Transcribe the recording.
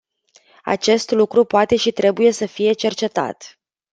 Acest lucru poate și trebuie să fie cercetat.